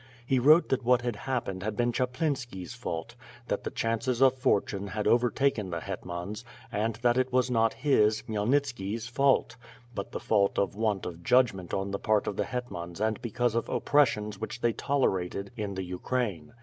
lie wrote that what had happened had been Chaplinski's fault; that the chances of fortune had overtaken the hetmans, and that it was not his, Khymel nitski's fault, but the fault of want of judgment on the part of the hetmans and because of oppressions which they toler ated in the Ugraine.